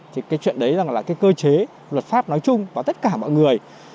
thì cái chuyện đấy rằng là cái cơ chế luật pháp nói chung và tất cả mọi người